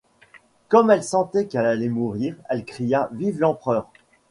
Comme elle sentait qu’elle allait mourir, elle cria : Vive l’empereur !